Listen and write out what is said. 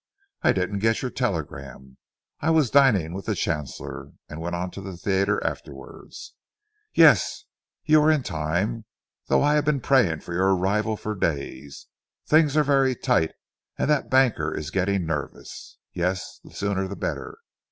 I didn't get your telegram. I was dining with the Chancellor, and went on to the theatre afterwards.... Yes, you are in time, though I have been praying for your arrival for days. Things are very tight, and that banker is getting nervous.... Yes, the sooner the better.